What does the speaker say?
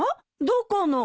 どこの？